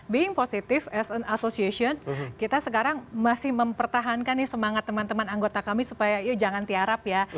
being positive as and association kita sekarang masih mempertahankan nih semangat teman teman anggota kami supaya ya jangan tiarap ya